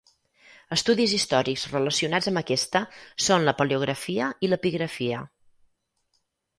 Estudis històrics relacionats amb aquesta són la paleografia i l'epigrafia.